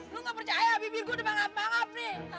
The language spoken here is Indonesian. lu gak percaya bibir gue udah bangap bangap nih